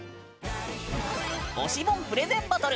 「推し本プレゼンバトル」。